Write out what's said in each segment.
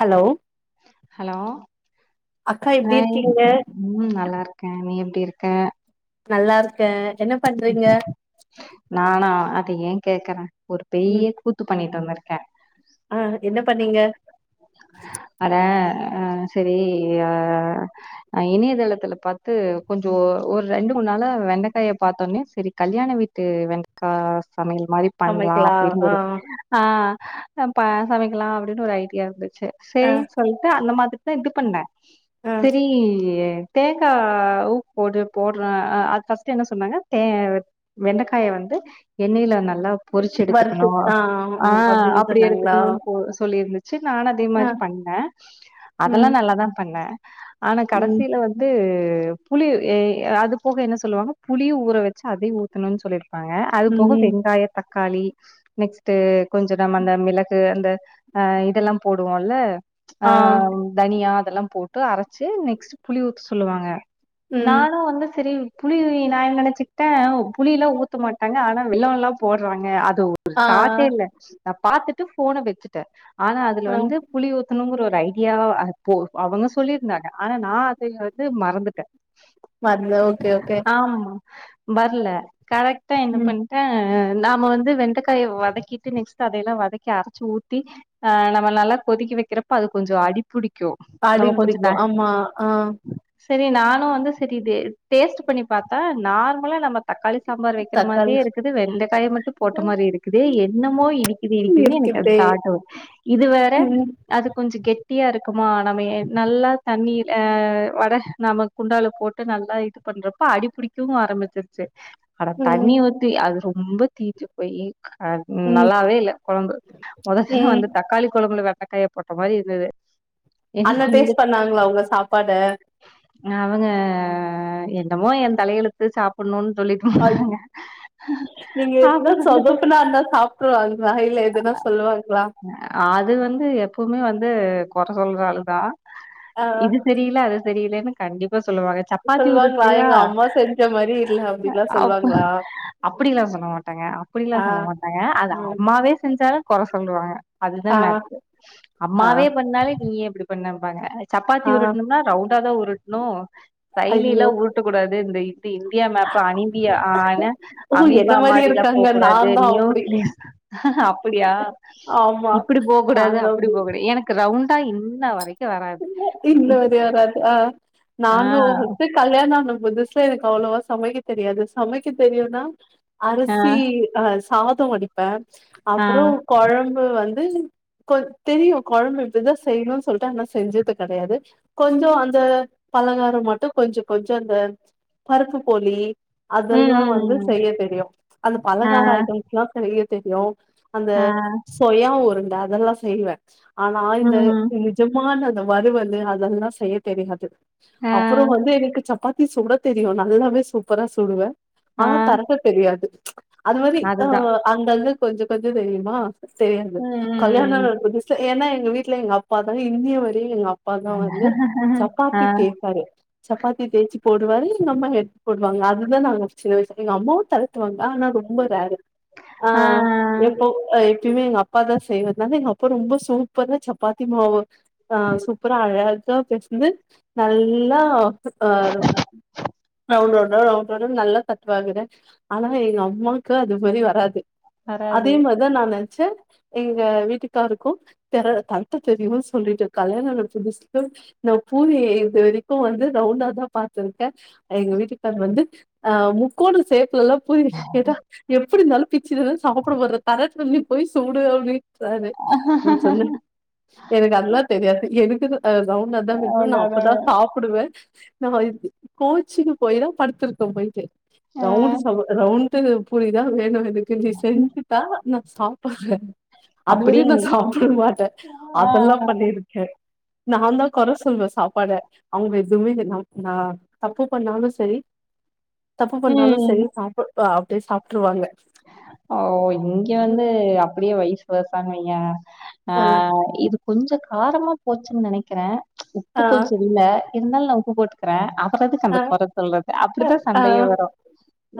Hello hello அக்கா எப்டி hi இருக்கீங்க ம் நல்லாருக்க நீ எப்டி இருக்க நல்லாருக்க என்னப் நானா அது ஏ கேக்கற ஒரு பெரிய ம் கூத்து பண்ணிட்டு வந்தர்க்க ஆ என்ன பண்ணீங்க அதா அ செரி ஆ அ இணையதளத்துல பாத்து கொஞ்சோ ஒர் ரெண்டு மூண்ணாளா வெண்டக்காய பாத்தொன்னே செரி கல்யாண வீட்டு வெண்டக்கா சமையல் மாரி பண்லா சமைக்கலா அப்டின் ஆ ஒரு ஆ நப்ப சமைக்கலான் அப்டின்னு ஒரு ஐடியா இருந்துச்சு ஆ செரி சொல்ட்டு அந்த மாதிரிதா இது பண்ண ஆ சரி தேங்கா ஊப் போடு போட்ற அது ஃபர்ஸ்ட் என்ன சொன்னாங்க தே வெண்டக்காய வந்து எண்ணெய்ல நல்லா பொறிச்சு எடுத்துக்கணு வறுத்து ஆ ஆ அப்டின்னு அப்டி சொன்னாங்களா எடுத்துக்கணுன் போ சொல்லி இருந்து சே நானு அதே ஆ மாரி பண்ண அதல்லா ம் நல்லா தா பண்ண ஆனா ம் கடசில வந் து புளி எ அது போக என்ன சொல்லுவாங்க புளியு ஊற வச்சு அதே ஊ க்கனுன் சொல்லிருப்பாங்க அது போக ம் வெங்காயத் தக்காளி நெக்ஸ்ட்டு கொஞ்ச நம்ம அந்த மிளகு அந்த அ த்தெல்லா போடுவோல்ல ஆ தனியா அதெல்லா போட்டு அரச்சி நெக்ஸ்ட்டு புளி ஊத்த சொல்லுவாங்க ம் நானு வந்து சரி புளி நா என்ன நச்சுக்கிட்ட ஓ புளில்லா ஊத்த மாட்டாங்க ஆனா வெல்லோல்லா போட்றாங்க அது ஒரு ஆ தாட்டே இல்ல நா பாத்துட்டு ஃபோன வச்சுட்ட ஆனா அதுல ஆ வந்து புளி ஊத்தனுங்குற ஒரு ஐடியா அ போ அவுங்க சொல்லியிருந்தாங்க ஆனா நா அது அது மறந்துட்ட மறந்த ஓகே ஓகே ஆமா வர்ல கரெக்டா என்ன ம் பண்ணி ட்ட நாம வந்து வெண்டக்காய வதக்கிட்டு நெக்ஸ்ட்டு அதையெல்லா வதக்கி அரச்சு ஊத்தி ஆ நம்ம நல்லா கொதிக்க வக்கிறப்போ அது கொஞ்சோ அடிப் புடிக்கு நம்ம பாடியும் கொஞ்சோ பிடிக்கு ந ஆமா ஆ சரி நானு வந்து சரி இது டேஸ்ட்டு பண்ணி பாத்தா நார்மலா நம்ம தக்காளி சாம்பார் வக்கிற தக்காளி மாதிரியே இருக்குது வெண்டைக்காய மட்டு போட்ட மாரி இருக்குதே என்னமோ இடி இது இடிக்குதுனு எனக்கு ஒரு இருக்குதே தாட்டு இது வேற ம் அது கொஞ்சோ கெட்டியா இருக்குமா நம்ம ஏ நல்லா தண்ணி அ வட நமக் குண்டால போட்டு நல்லா இது பண்றப்ப அடிபுடிக்கவு ஆரம்மிச்சி செ அட ம் தண்ணி ஊத்தி அது ரொம்ப தீஞ்சு போயி அத் ம் நல்லாவே இல்ல கொழம்பு மொத ம் தக்காளி கொழம்புல வெண்டக்காய போட்ட மாரி இருந்தது என்ன அண்ண கொஞ்ச டேஸ்ட் பண்ணாங்ளா உங்க சாப்பாட அவுங்க என்னமோ எ தலையெழுத்து சாப்புட்ணுன் சொல்லிட் அய்யோ நீங்க எதுனா சாப்பிடுறதுக்கு சொதப்புனா இருந்தா சாப்ட்ருவாங்களா இல்ல எதுனா சொல்லுவாங்களா அது வந்து எப்பவுமே வந்து கொற சொல்ற ஆளு தா ஆ இது செரி இல்ல அது செரி இல்லனு கண்டிப்பா சொல்லுவாங்க சப்பாத்தி சொல்லுவாங்களா உருட்ரியா எங்க அம்மா செஞ்ச மாரி இல்ல அப்டிலா அப்ப சொல்லுவாங்களா அப்டிலா சொல்ல மாட்டாங்க அப்புடிலா ஆ சொல்ல மாட்டாங்க அது ஆ அம்மாவே செஞ்சாலு கொற சொல்லுவாங்க அதுதா ஆ மேட்ரு ஆ அம்மாவே பண்ணாலு நீ ஏ இப்டி பண்ணம்பாங்க சப்பாத்தி ஆ உருட்ணும்னா ரவுண்டாதா உருட்ணு கைலிலா ஐயோ உருட்ட கூடாது இந்த இந்தி இந்தியா மேப்பு அனீபியா ஆ என்ன ஓ என்ன அமீபா மாரி மாரிலா போ இருக்காங்க கூடாது நான்தா அப்டி நியூக்ளிய அப்புடியா ஆமா இப்புடி போ கூடாது நான்தா அப்புடி அப்டி போ கூடா எனக்கு ரவுண்டா இன்ன வரைக் இன்னு வரய வராது அ ஆ நானு ஃபஸ்ட்டு கல்யாணொ ஆன புதுசுல எனக்கு அவ்ளோவா சமைக்க தெரியாது சமைக்க தெரியுனா ஆ அரிசி அ சாதோ வடிப்பே ஆ அப்றோ கொழம்பு வந்து கொ தெரியு கொழம்பு இப்டிதா செய்யணு சொல்ட்டு ஆனா செஞ்சது கெடையாது கொஞ்சோ அந்த பலகாரம் மட்டு கொஞ்சொ கொஞ்சொ அந்த பருப்பு போலி ம் அதெல்லா ம் வந்து ம் செய்ய தெரியு அந்த ஆ பலகாரொ ஐட்டம்ஸ்லா செய்ய தெரியு அந்த ஆ சொய உருண்ட அதெல்லா செய்வே ஆனா இந்த ம் நிஜம் மான் அந்த வருவலு அதெல்லா செய்ய தெரியாது ஆ அப்பறோ வந்து எனக்கு சப்பாத் தி சுட தெரியு நல்லாவே சூப்பரா சுடுவெ ஆ ஆனா தரப்பு தெரியாது அது மாரி ஆ அதுதா அங்க அங்க கொஞ்சொ கொஞ்சொ தெரியுமா தெரியாது ம் கல்யாணொ ம் ஆன புதுசுல ஏனா எங்க வீட்ல எங்க அப்பா தா இன்னிய வரையு எங்க அப் பா தா வந்து ம் ம் ஆ சப்பாத்தி தேப்பாரு சப்பாத்தி தேச்சி போடுவாரு எங்க அம்மா எடுத்து போடுவாங்க அதுதா நாங்க சின்ன வய [unintelligible] எங்க அம்மாவு தர த்துவாங்க ஆனா ரொம்ப ரேரு ஆ எப்போ அ ப்பயுமே எங்க அப்பா தா செய்றதுனால எங்க அப்பா ரொம்ப சூப்பரா சப்பாத்தி மாவு ஆ சூப்பரா அழகா பெசந்து நல்லா [unintelligible] ரவுண்ட் ரவுண்டா ரவுண்ட் ரவுண்டா நல்ல‌ தட்வாங்கங்க ஆனா எங்க அம்மாக்கு அது மாரி வராது வராது அதே மா அதா நா நென்ச்சே எங்க வீட்டுக்காருக்கு தெர தட்ட தெரியு சொல்லிட்டு கல்யாணான புதுசுல நா பூரி இது வரைக்கு வந்து ரவுண்டா தா பாத்துருக்கே எங்க வீட்டுகார் வந்து அ முக்கோண சேப்லெல்லா பூரி கேட்டா எப்டி இருந்தாலு பிச்சு தான சாப்புட [unintelligible] போய் சூடு அப்டின்ட்டாரு ஆஹ எனக்கு அதெல்லா தெரியாது எனக்கு அ ரவுன்டா தா வேனு அவ்வளோ நா அப்பதா அதான். சாப் புடுவே நா கோச்சிக்கு போயிலா படுத்துருக்கே பொய்ட்டு ஆ ரவுண்டு ச ரவுண்ட்டு பூரிதா வேணு எனக்கு நீ செஞ்சு தா நா சாப்புட்றே அது அப்படியே வரையு நா சாப்புட மாட்டே ஆ அதெல்லா ஆ. பண்ணிருக்கே நா தா கொற சொல்லுவ சாப்பாட அவுங்க எதுமே ந நா தப்பு பண்ணாலு செரி தப்பு பண்னாலு ம் செரி சாப்பு ஆ அப்டியே சாப்ட்ருவாங்க ஓ இங்க வந்து அப்படியே வயஸ்வெர்சான் வைய்ய ஆ அ இது கொஞ்சோ காரமா போச்சுன் நனைக்கிற உப்பு அ கொஞ்சோ இல்ல இருந்தாலு நா உப்பு போட்டுக்கற அப்புற எதுக்கு அ அந்த கொற சொல்றது அப்படிதா அ அ சண்டையே வரு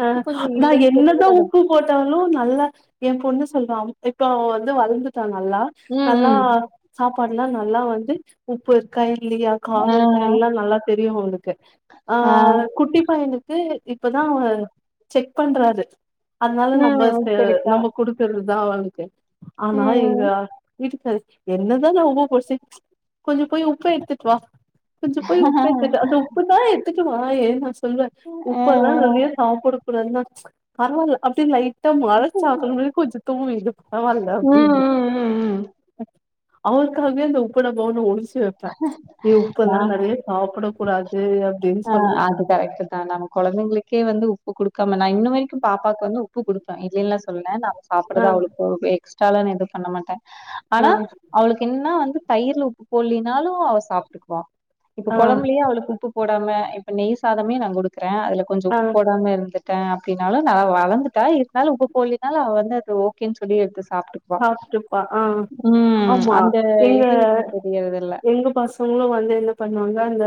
உப்பு கொஞ்சோ இல்லன் தெரிதுலங்க போட்டவளு நல்லா எ பொண்ணு சொல்றா இப்ப வந்து வளர்ந்துட்டா நல்லா ம் நல்லா ம் சாப்பாடுல்லா நல்லா வந்து உப்பு இருக்கா இல்லையா ஆ காரோ இருக்கா எல்லா நல்லா தெரியு அவளுக்கு ஆ குட்டி பையனுக்கு இப்பதா செக் பண்றாரு அதனால ம் நம்பஸ்க்கு சரிக்கா நம்ப குடுக்குறதுதா அவனுக்கு ஆனா இங்க ம் இருக்கு என்னடா இது வம்பா போஷ்சி கொஞ்ச போய் உப்பு எடுத்துட்டு வா கொஞ்சோ போய் ஆ உப்பு எடுத்துட்டு அந்த உப்பதா எத்துட்டு வாயே நா சொல்வ ஆ உப்பெல்லா‌ நறைய சாப்பட கூடாது கூடாதுனா பரவாயில்ல அப்டின் லை ட்டா மழ சாத்தணுமேன் கொஞ்சோ தோணுது இது பரவாயில்ல ம் ம் அப்டிந்து ம் ம் அவளுக்காகவே அந்த உப்பு டப்பாவலா ஒலிச் ட்டு வைப்பே நீ நா உப்பெல்லா நறைய சாப்பட கூடாது அப்டின் ஆ சொல்லிட் [unintelligible] நம்ம கொழந்தைங்களுக்கே வந்து உப்பு குடுக்காம நா இன்ன வரைக்கும் பாப்பாக்கு வந்து உப்பு குடுப்ப இல்லேல்லா சொல்லல ந ஆ சாப்படுறதா அவுளுக்குவே எக்ஸ்ட்ரால எது பண்ண மாட்ட ஆ ஆனா அவளுக்கு என்னா வந்து தயிர்ல உப்பு போல்லினாலு அவ சாப்ட்டுக்குவா இப்ப ஆ கொழம்புலயு அவளுக்கு உப்பு போடாம இப்ப நெய் சாதமே நா குடுக்குற அதுல கொஞ்சோ ஆ உப்பு போடாம இருந்து ட அப்டினாலு நா வளந்துட்டா இருந்தாலு உப்பு போட்லேனாலு அவ வந்து அது ஓகேன் சொல்லி எடுத்து சாப்ட்டுக் சாப்ட்டுப்பா ஆ ஆமா அந்த எங்க இது இன்னும் தெரியறதில்ல எங்க பஸ் அவுங்களு வந்து என்ன பண்ணுவாங்க அங்க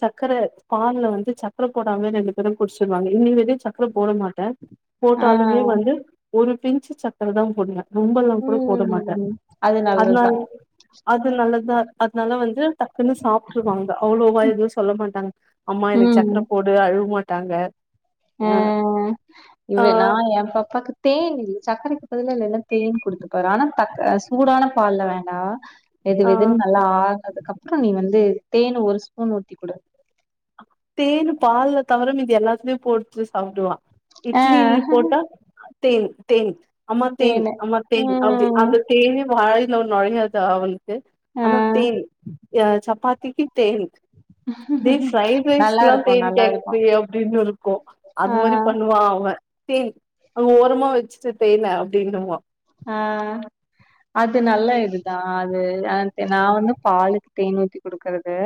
சக்கர பால்ல வந்து சக்கர போடாம்லே ரெண்டு பேரு குடிச்சிருவாங்க இன்னி வரையு சக் சக்கர போட மாட்ட ஆ போட்டாலுமே வந்து ஒரு பின்ச்சு சக்கர தா போடுவ ரொம்பல்லா கூட போட மாட்ட ம் அது அதனால் நல்லதுதான் அதுநால்லதா அதனால வந்து டக்குன்னு சாப்ட்ருவாங்க அவ்ளோவா எது சொல்ல மாட்டாங்க அம்மா எனக்கு ம் சக்கர போடு அழுவ மாட்டாங்க அ அ அ ஆ இவ நா எ பாப்பாக்கு தேனு சர்க்கரைக்கு பதுலா இல்லனா தேனு குடுத்துப்பாரு ஆனா தக் சூடான பால்ல வேண்டா வெது ஆ வெதுன் நல்லா ஆறனதுக்கப்புறோ நீ வந்து தேனு ஒரு ஸ்பூன் ஊத்தி குடு தேனு பால்ல தவர மீதி எல்லாத்துலயு போட்டு சாப்டுவா ஆ இட்லிலயு போட்டா தேன் தேன் அம்மா தேன் தேனு அம்மா தேன் அவ்து ம் அந்த தேனே வாய் உள்ள நொழையாதா அவளுக்கு ஆ ஆனா தேன் அ‌ சப்பாத்திக்கு தேன் உம் ஹம் க்லா தேன் கேக்றியே அப்டின்னு இருக்கு ஆ அது மாரி பண்ணு வா அவ தேன் அங்க ஓரமா வச்சுட்டு தேன அப்டின்னுவா ஆ அது நல்ல இதுதா அது அ நா வந்து பாலுக்கு தேன் ஊத்தி குடுக்குறது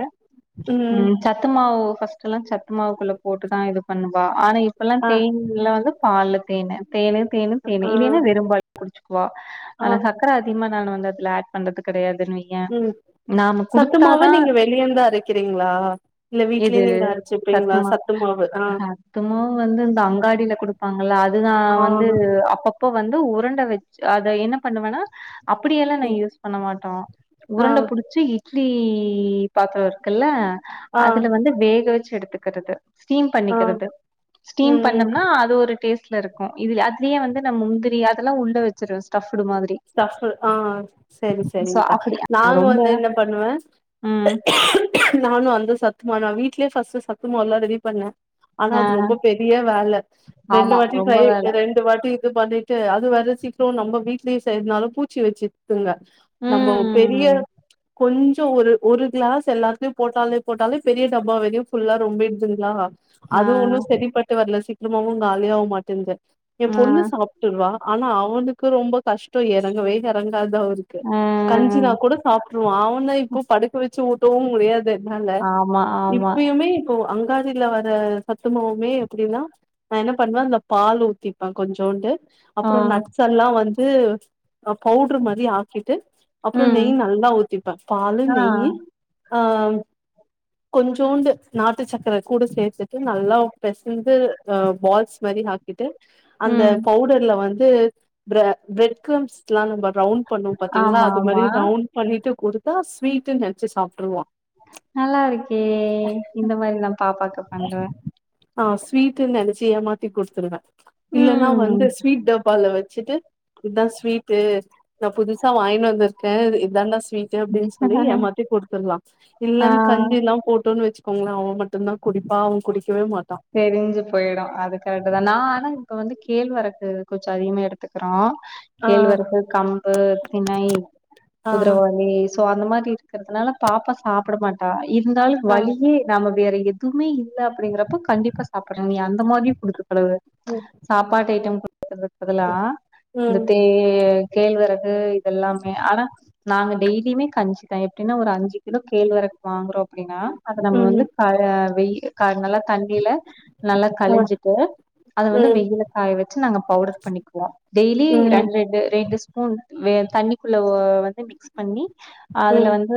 ம் சத்து மாவு ஃபஸ்ட்டுல்லா சத்து மாவுக்குள்ள போட்டுதா இது பண்ணுவா ஆனா இப்பல்லா ஆ தேன்ல வந்து பாலு தேனு தேனு தேனு ஆ தேனு இல்லைன்னா வெறும்பால் குடிச்சுக்குவா ஆ ஆனா சக்கர அதிகமா நானு வந்து அதுல ஆட் பண்றது கடையாதுன்னு வய் ம் சத்துமாவ நீங்க வெளியருந்து அரைக்கிறீங்ளா இல்ல வீட்லயே எது நீங்க அரச்சுப்பீங்களா சத்து மாவு ஆ சத்துமாவு வந்து இந்த அங்காடில குடுப்பாங்கல்ல அதுதா வந்து ஆ அப்பப்ப வந்து உரண் வச்சு அத என்ன பண்ணுவன்னா அப்படியெல்லா நா ம் யூஸ் பண்ண மாட்ட ஆ உருண்ட புடிச்சி இட்லி பாத்தரோ இருக்குல்ல ஆ அதுல வந்து வேக வச்சு எடுத்துக்குறது ஸ்டீம் ஆ பண்ணிக்கிறது ஸ்டீம் ம் பண்ணம்னா அது ஒரு டேஸ்ட் இதுல இருக்கு இது அதுலயே வந்து நம் முந்திரி அதெல்லா உள்ள வச்சிருவ ஸ்டஃப்டு மாதிரி ஸ்டஃப்டு ஆ சரி சோ சரி்ங்க்கா அப்படி நாங்க ரொம்ப வந்து என்ன பண்ணுவ ம் நானு அந்த சத்துமாதா நா வீட்லயே ஃபர்ஸ்ட் சத்துமால்லா ரெடி பண்ண ஆனா ஆ அது ரொம்ப பெரிய வேல ரெண்டு ஆமா வாட்டி ரொம்ப ரை வேல ரெண்டு வாட்டி இது பண்ணிட்டு அது வர்ற சீக்கிரொ நம்ம வீட்லயே செய்றதுனால பூச்சி வச்சுருதுங்க நம்போ பெரிய ம் கொஞ்சோ ஒரு ஒரு கிளாஸ் எல்லாத்துலயு போட்டாலே போட்டாலே பெரிய டப்பா வரையு ஃபுல்லா ரொம்பிடுதுங்லா ஆ அது ஒன்னு சரிப்பட்டு வர்ல சீக்கிரமாவு காலியாவுமாட்டுந்து எ ஆ பொண்ணு சா ப்ட்டுர்றா ஆனா அவளுக்கு ரொம்ப கஷ்ட எறங்கவே எறங்காது அவருக்கு ஆ கஞ்சினா கூட சாப்டுருவா அவனா இப்போ படுக்க வச்சு ஊட்டவு முடியாது அதனால ஆமா ஆமா இப்பயுமே இப்போ அங்காடில வர சத்துமாவுமே எப்டின்னா நா என்ன பண்ணுவ இந்த பால் ஊத்திப்ப கொஞ்சோண்டு அப்ரொ ஆ நட்ஸ்சல்லா வந்து பவுட்ரு மாரி ஆக்கிட்டு அப்ற ம். நெய் நல்லா ஊத்திப்ப பாலு ஆ. நெய்யி ஆ கொஞ்சோண்டு நாட்டு சக்கர கூட சேர்த்துட்டு நல்லா பெசந்து ஆ பால் ஸ்வதி ஆக்கிட்டு அந்த ம். பவுடர்ல வந்து பிர ப்ரட் க்ரம்ஸ்லா நம்ம ரவுண்ட் பண்ணுவோ பாத்தீங்ளா ஆமா, அது ஆமா. மாரி ரவுண்ட் பண்ணிட்டு குடுத்தா ஸ்வீட்டுன் நெனச்சு சாப்ட்டுருவா நல்லாருக்கே இந்த மாரி நா பாப்பாக்கு பண்ற நா ஸ்வீட்டுன் நெனச்சு ஏமாத்தி குடுத்துருவ இல்லன்னா வந்து ம். ஸ்வீட் டப்பால வச்சுட்டு இதா ஸ்வீட்டு நா புதுசா வாங்கினு வந்துருக்க இதான்டா ஸ்வீட் அப்டின் சொல்லி ஏமாத்தி குடுத்துட்லா ஆ இல்லன் கஞ்சிலா போட்டோன் வச்சுக்கோங்களே அவ மட்டுதா குடிப்பா அவ குடிக்கவே மாட்டா தெரிஞ்சு போய்டு அதுக்காகதா நா ஆனா இப்ப வந்து கேழ்வரகு கொஞ்சோ அதிகமா எடுத்துக்குறோ ஆ கேழ்வரகு கம்பு தினை ஆ குதுரவாலி சோ அந்த மாதிரி இருக்கிறதுனால பாப்பா சாப்ட மாட்டா இருந்தாலு ஆ வழியே நாம வேற எதுமே இல்ல அப்ப கண்டிப்பா சாப்பிட்ற நீ அந்த மாரி குடுத்துப்பழவுற ம் சாப்பாடு ஐட்ட குடுக்குறதுக்கு பதிலா இந்த ம் தே கேழ்வரகு இதெல்லாமே ஆனா நாங்க டெய்லியுமே கஞ்சிதா எப்டின்னா ஒரு அஞ்சு கிலோ கேழ்வர வாங்குறோ அப்டின்னா அத நம்ம வந்து ம் காய வெயி காய நல்லா தண்ணில நல்லா ஆ கழிஞ்சிட்டு அத வந்து ம் வெயில்ல காய வச்சு நாங்க பவுடர் பண்ணிக்குவோ டெய்லி ம் ரெண்டு ரெண்டு ரெண்டு ஸ்பூன் தண்ணிக்குள்ள வந்து மிக்ஸ் பண்ணி அதுல ம் வந்து து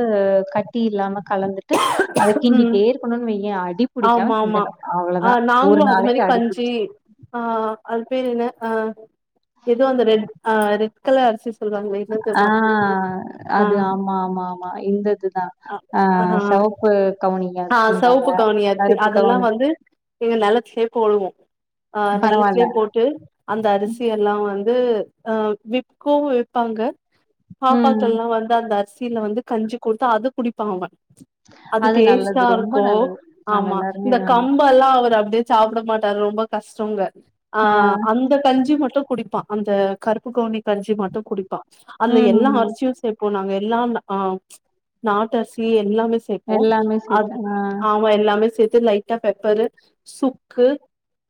கட்டி இல்லாம கலந்துட்டு அத ம் கின்டிட்டே இருக்கணுன் வையே அடி புடிக்காம ஆமா ஆமா கிண்டணு ஆ அவ்ளோதா ஒரு நாங்களு அது மாரி நாளைக்கு அடி கஞ்சி புடிச்ச ஆ அது பேரு என்ன ஆ எதோ. அந்த ரெட் ஆ ரெட் கலர் அரிசி சொல்லுவாங்களே என்ன பேர் ஆ மறந்துருச்சு ஆ அது ஆமா ஆமா இந்ததுதா ஆ செவப் இது கவூனிங்க ஆ அரிசில்தாங்க கருப்பு கவுனி ஏங்க நல்லத் ஷேப்பூ ஒழுகூ அ பரவால்ல. நல்லத்திலயே போட்டு அந்த அரிசி எல்லாம் வந்து அ விக்குவூ விப்பாங்க பாப்பக் ம். கெல்லா வந்து அந்த அரிசியில வந்து கஞ்சி கொட்த்தா அது குடிப்பா அவெ அது நல்லது ல்லா ரொம்ப இருக்கோ நல்லது. நாம ஆமா எல்லாருமே இந்த இது பண்ணலாம். கம்பு அப்பல்லா அவர் அப்படியே சாப்பிட மாட்டாரு ரொம்ப கஷ்டம்ங்க ஆ அந்த கஞ்சி மட்டு குடிப்பான் அந்த கருப்பு கவுனி கஞ்சி மட்டூ குடிப்பான் அதுல எல்லா ம். அரிசியூ சேர்ப்போ நாங்க எல்லா ஆ நாட்ட அரிசி எல்லாமே சேர்ப்போ எல்லாமே சேர்த்து ஆ அவ எல்லாமே சேர்த்து லைட்டா பெப்பரு சுக்கு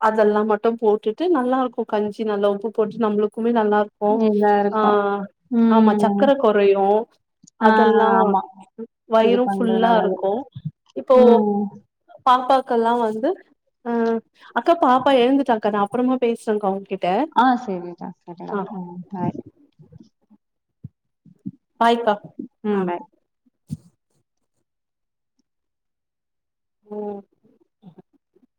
அதெல்லா மட்டு போட்டுட்டு நல்லா இருக்கூ கஞ்சி நல்லா உப்பு போட்டு நம்மளுக்குமே நல்லா இருக் கூ இதா ஆ இருக்கும். ஆமா ம். சக்கரை குறையூ ஆ அதெல்லா வந் ஆமா. இது வயிரூ பண்றது ஃபுல்லா நல்லது. இருக்கே இப்போ ம். பாப்பாக்கல்லா வந்து ஆ அக்கா பாப்பா எழுந்துட்டாக்கா நா அப்புறமா பேசுறேங்கா உங்க கிட் ஆ சரிங்டா டாடா ம் பாய் ஹாய்ப்பா ம் பாய் ம்